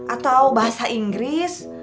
atau bahasa inggris